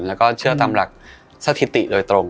แล้วก็เชื่อตามหลักสถิติโดยตรง